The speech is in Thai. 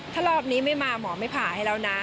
ถ้ารอบนี้ไม่มาหมอไม่ผ่าให้แล้วนะ